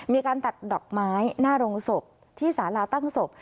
มีการตัดดอกไม้หน้าโรงศพที่สาราตั้งศพ